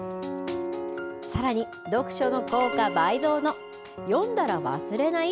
さらに読書の効果倍増の読んだら忘れない？